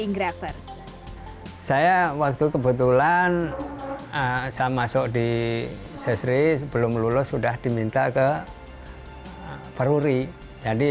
inggraver saya waktu kebetulan saya masuk di sesri sebelum lulus sudah diminta ke peruri jadi